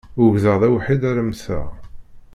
Ugdeɣ d awḥid ara mmteɣ.